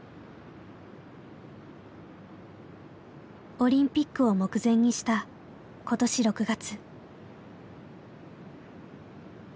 オリンピックを目前にした今年６月。